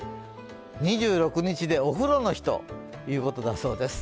２６日でお風呂の日ということだそうです。